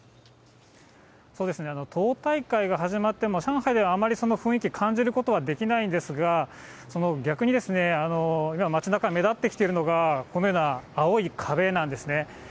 党大会が始まっても上海では、あまりその雰囲気、感じることはできないんですが、逆にですね、今、街なか、目立ってきているのが、このような青い壁なんですね。